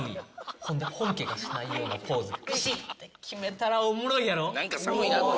ほんで、本家がしないようなポーズをびしって決めたら、おもろいやろ？